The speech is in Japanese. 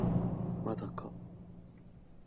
まだか